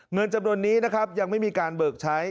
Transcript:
เงินจำนวนนี้นะครับยังไม่มีการเบิกใช้